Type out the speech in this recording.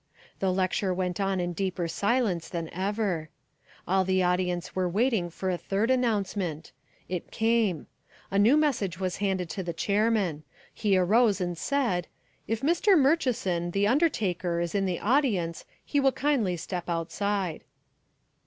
The lecture went on in deeper silence than ever. All the audience were waiting for a third announcement. It came. A new message was handed to the chairman. He rose and said, "If Mr. Murchison, the undertaker, is in the audience, will he kindly step outside."